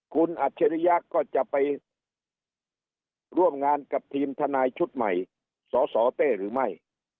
คุณอัจฉริยะก็จะไปร่วมงานกับทีมทนายชุดใหม่สสเต้หรือไม่